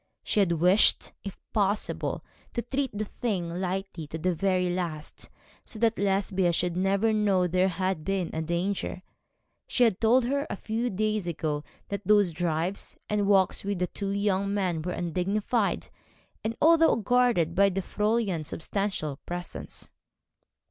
She had wished, if possible, to treat the thing lightly to the very last, so that Lesbia should never know there had been danger. She had told her, a few days ago, that those drives, and walks with the two young men were undignified, even although guarded by the Fräulein's substantial presence.